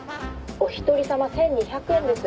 お一人さま１２００円です。